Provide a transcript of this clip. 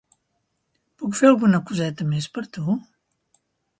Puc fer alguna coseta més per tu?